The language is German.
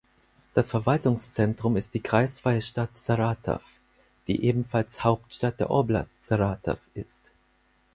Das Verwaltungszentrum ist die kreisfreie Stadt Saratow, die ebenfalls Hauptstadt der Oblast Saratow ist.